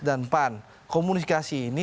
dan pan komunikasi ini